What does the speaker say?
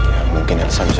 ya mungkin elsa bisa berguna